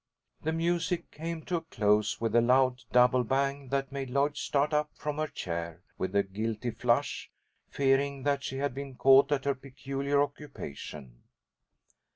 The music came to a close with a loud double bang that made Lloyd start up from her chair with a guilty flush, fearing that she had been caught at her peculiar occupation.